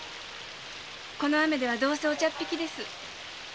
この雨ではどうせお茶っぴきです。